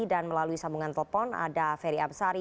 dan melalui sambungan telepon ada ferry amsari